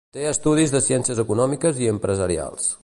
Té estudis de Ciències Econòmiques i Empresarials.